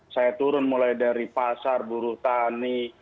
saya turun mulai dari pasar buruh tani